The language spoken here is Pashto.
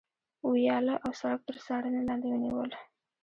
ویاله او سړک تر څارنې لاندې ونیول.